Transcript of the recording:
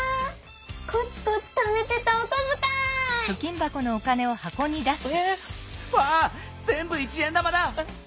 コツコツためてたおこづかい！えわあぜんぶ１円玉だ！